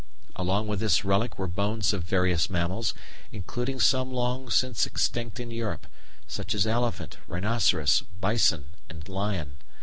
Along with this relic were bones of various mammals, including some long since extinct in Europe, such as elephant, rhinoceros, bison, and lion.